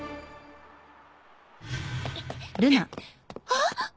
あっ！